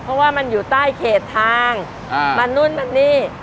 เพราะว่ามันอยู่ใต้เขตทางมันนู่นมานี่